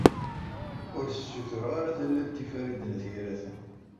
Ur as-ssutureɣ ara tallalt i Farid n At Yiraten.